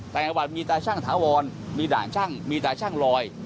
ต่างจังหวัดมีตายชั่งถาวรมีด่านชั่งมีตายชั่งลอย